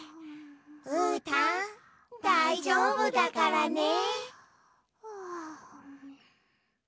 うーたんだいじょうぶだからね。